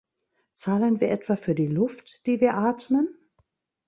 Zahlen wir etwa für die Luft, die wir atmen?